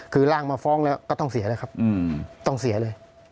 คือร่างมาฟ้องแล้วก็ต้องเสียแล้วครับต้องเสียเลย